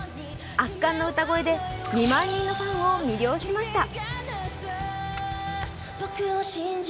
圧巻の歌声で２万人のファンを魅了しました。